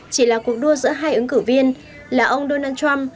chỉ là cuộc đua giữa hai ứng cử viên là ông donald trump